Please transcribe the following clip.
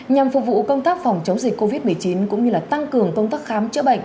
nhằm phục vụ công tác phòng chống dịch covid một mươi chín cũng như tăng cường công tác khám chữa bệnh